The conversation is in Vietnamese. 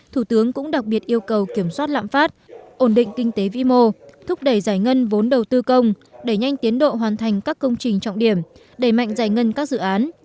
thủ tướng cũng đặc biệt yêu cầu kiểm soát lạm phát ổn định kinh tế vĩ mô thúc đẩy giải ngân vốn đầu tư công đẩy nhanh tiến độ hoàn thành các công trình trọng điểm đẩy mạnh giải ngân các dự án